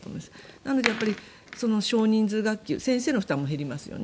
なので、少人数学級先生の負担も減りますよね。